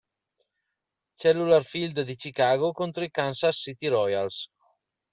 Cellular Field di Chicago contro i Kansas City Royals.